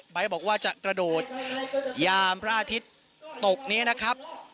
บอกว่าจะกระโดดยามพระอาทิตย์ตกนี้นะครับ